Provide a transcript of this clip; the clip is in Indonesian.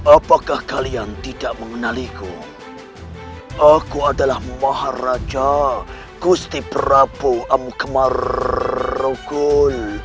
apakah kalian tidak mengenaliku aku adalah maharaja gusti prabowo amukmarugul